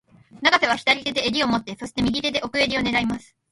永瀬は左手も襟を持って、そして、右手で奥襟を狙います。